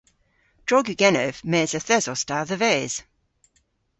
Drog yw genev mes yth esos ta dhe-ves.